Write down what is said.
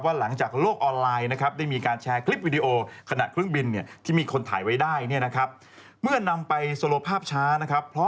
ว่าหลังจากโลกออนไลน์นะครับได้มีการแชร์คลิปวิดีโอ